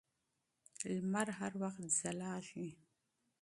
لمر هر وخت ځلېږي.